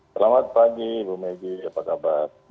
selamat pagi ibu megi apa kabar